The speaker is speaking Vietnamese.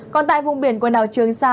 còn tại vùng biển quần đảo trường sa